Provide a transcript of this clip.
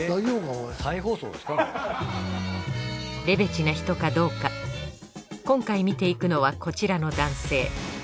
レベチな人かどうか今回見ていくのはこちらの男性。